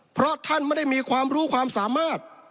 เพราะท่านไม่ได้มีความรู้ความสามารถ